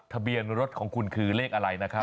ทะเบียนรถของคุณคือเลขอะไรนะครับ